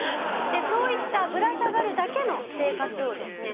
そういったぶら下がるだけの生活をですね